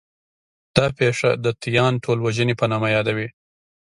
دا پېښه د 'تیان ټولوژنې' په نامه یادوي.